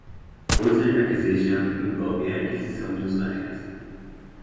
User Acquisition envolve aquisição de usuários.